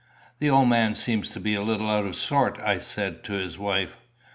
"The old man seems a little out of sorts," I said to his wife.